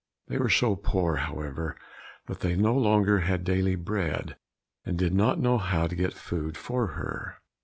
They were so poor, however, that they no longer had daily bread, and did not know how to get food for her.